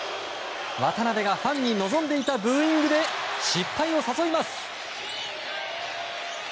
渡邊がファンに望んでいたブーイングで、失敗を誘います。